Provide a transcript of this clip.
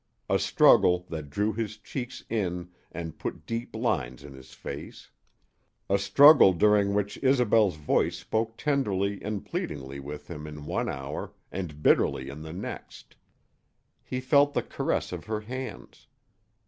A struggle that drew his cheeks in and put deep lines in his face; a struggle during which Isobel's voice spoke tenderly and pleadingly with him in one hour and bitterly in the next. He felt the caress of her hands.